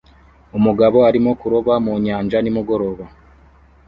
Umugabo arimo kuroba mu nyanja nimugoroba